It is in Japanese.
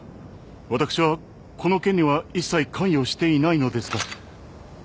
私はこの件には一切関与していないのですが。